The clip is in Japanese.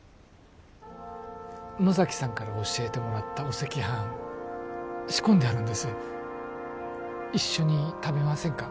野崎さんから教えてもらったお赤飯仕込んであるんです一緒に食べませんか？